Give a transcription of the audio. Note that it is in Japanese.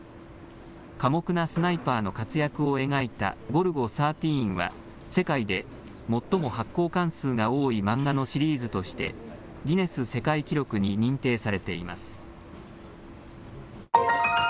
寡黙なスナイパーの活躍を描いたゴルゴ１３は、世界で最も発行巻数が多い漫画のシリーズとして、ギネス世界記録に認定されています。